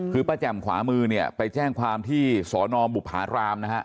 คือป้าแจ่มขวามือเนี่ยไปแจ้งความที่สอนอบุภารามนะฮะ